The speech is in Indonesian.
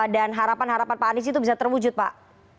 dan harapan harapan pak anies itu bisa terwujud pak